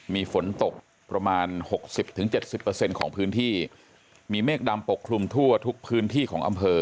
มีฝนตกประมาณหกสิบถึงเจ็ดสิบเปอร์เซ็นต์ของพื้นที่มีเมฆดำปกคลุมทั่วทุกพื้นที่ของอำเภอ